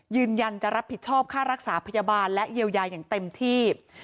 ยืนยันจะรับผิดชอบค่ารักษาพยาบาลและเยียวยาอย่างเต็มที่